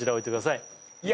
いや